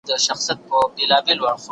زه به سبا انځورونه رسم کوم!